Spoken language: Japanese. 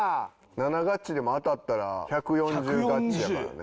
７ガッチでも当たったら１４０ガッチやからね。